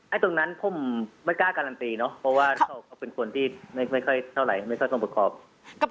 ตรงนั้นผมไม่กล้าการันตีเนาะเพราะว่าเขาเป็นคนที่ไม่ค่อยเท่าไหร่ไม่ค่อยต้องประกอบ